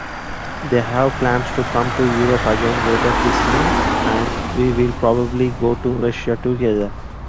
They have plans to come to Europe again later this year, and we will probably go to Russia together.